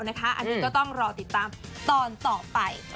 อันนี้ก็ต้องรอติดตามตอนต่อไป